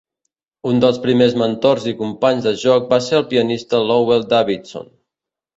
Un dels primers mentors i companys de joc va ser el pianista Lowell Davidson.